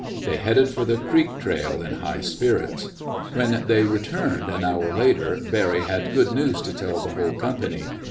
They headed for the creek trail in high spirits. When they returned, an hour later, Barry had good news to tell the whole company.